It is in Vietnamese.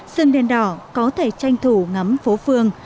sương đen đỏ có thể tranh thủ ngắm phố phương